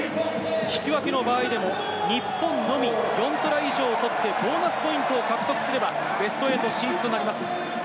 引き分けの場合でも日本のみ４トライ以上を取ってボーナスポイントを獲得すればベスト８進出となります。